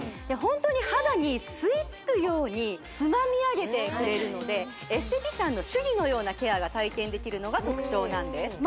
ホントに肌に吸い付くようにつまみ上げてくれるのでエステティシャンの手技のようなケアが体験できるのが特徴なんです